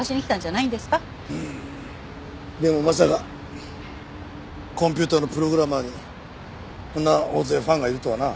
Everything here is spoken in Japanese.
でもまさかコンピューターのプログラマーにこんな大勢ファンがいるとはな。